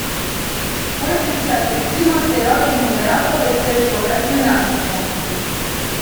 Questo è stato il primo asteroide numerato ad essere scoperto in Africa.